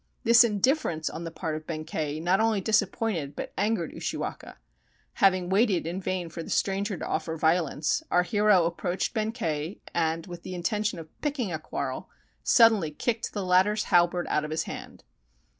This indifference on the part of Benkei not only disappointed but angered Ushi waka. Having waited in vain for the stranger to offer violence, our hero approached Benkei, and, with the intention of picking a quarrel, suddenly kicked the latter's halberd out of his hand.